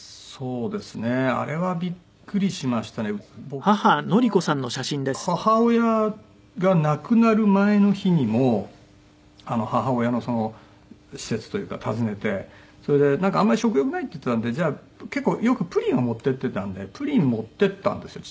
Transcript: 僕は母親が亡くなる前の日にも母親のその施設というか訪ねてそれであんまり食欲ないって言ってたのでじゃあ結構よくプリンを持っていってたんでプリン持っていったんですよ。